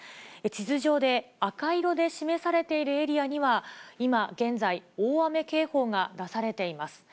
地図上で赤色で示されているエリアには、今現在、大雨警報が出されています。